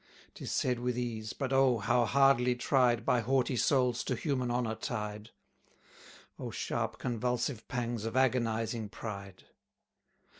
'Tis said with ease, but, oh, how hardly tried By haughty souls to human honour tied! O sharp convulsive pangs of agonizing pride!